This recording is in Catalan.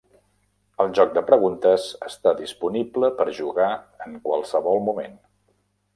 El joc de preguntes està disponible per jugar en qualsevol moment.